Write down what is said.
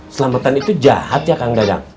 selamatan itu jahat ya kang dadang